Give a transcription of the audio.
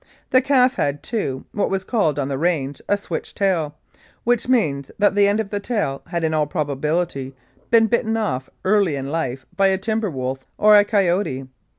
The calf had, too, what was called on the range a "switch tail," which means that the end of the tail had in all probability been bitten off early in life by a timber wolf or a coyote.